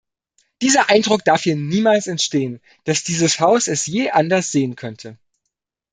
Dieser Eindruck darf hier niemals entstehen, dass dieses Haus es je anders sehen könnte.